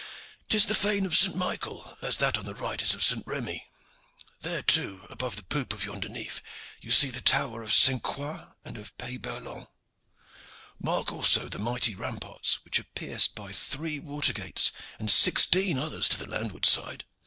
"'Tis the fane of St. Michael, as that upon the right is of St. Remi. There, too, above the poop of yonder nief, you see the towers of Saint Croix and of Pey Berland. Mark also the mighty ramparts which are pierced by the three water gates, and sixteen others to the landward side."